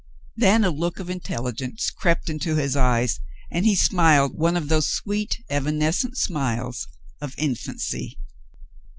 Then a look of intelligence crept into his eyes, and he smiled one of those sweet, evanescent smiles of infancy.